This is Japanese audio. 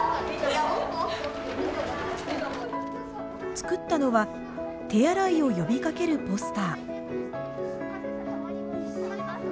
作ったのは手洗いを呼びかけるポスター。